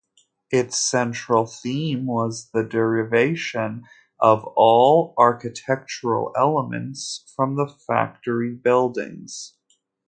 Its central theme was the derivation of all architectural elements from the factory buildings.